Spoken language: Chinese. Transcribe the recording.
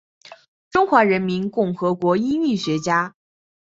中华人民共和国音韵学家。